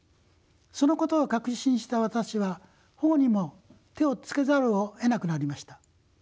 そのことを確信した私は保護にも手をつけざるをえなくなりました。